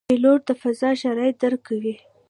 پیلوټ د فضا شرایط درک کوي.